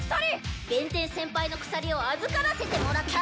弁天先輩の鎖を預からせてもらった。